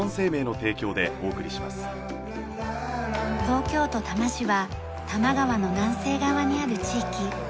東京都多摩市は多摩川の南西側にある地域。